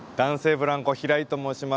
ブランコ平井と申します。